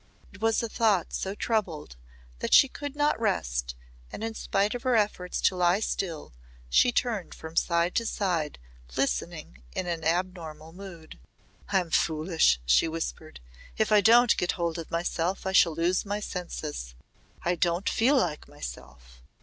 It was a thought so troubled that she could not rest and in spite of her efforts to lie still she turned from side to side listening in an abnormal mood. "I'm foolish," she whispered. "If I don't get hold of myself I shall lose my senses. I don't feel like myself.